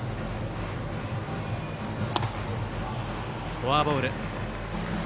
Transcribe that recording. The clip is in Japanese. フォアボール。